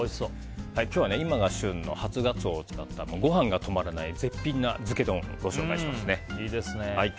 今日は、今が旬の初ガツオを使ってご飯が止まらない絶品な漬け丼をご紹介します。